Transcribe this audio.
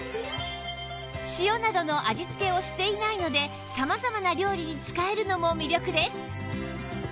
塩などの味付けをしていないので様々な料理に使えるのも魅力です